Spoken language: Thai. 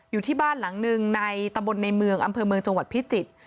อยู่ที่บ้านหลังหนึ่งในตำบลในเมืองอำเภอเมืองจังหวัดพิจิตร